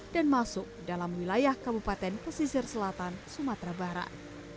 dan masuk dalam wilayah kabupaten kesisir selatan sumatera barat